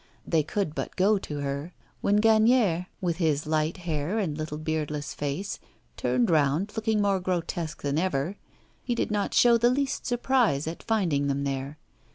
They could but go to her. When Gagnière, with his light hair and little beardless face, turned round, looking more grotesque than over, he did not show the least surprise at finding them there.